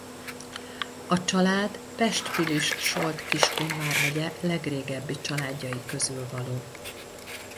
A család Pest-Pilis-Solt-Kiskun vármegye legrégebbi családjai közül való.